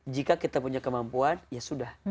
jika kita punya kemampuan ya sudah